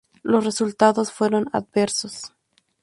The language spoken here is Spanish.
Los resultados fueron adversos.